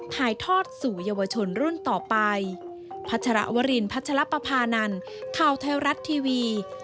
ถ่ายทอดสู่เยาวชนรุ่นต่อไป